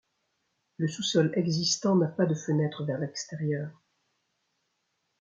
Le sous-sol existant n'a pas de fenêtres vers l'extérieur.